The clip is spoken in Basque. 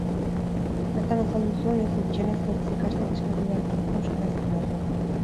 Bertan azaldu zuenez, gutxienez zortzi ikaslek eskatu beharko dute euskarazko lerroa.